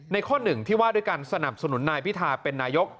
ข้อหนึ่งที่ว่าด้วยการสนับสนุนนายพิธาเป็นนายก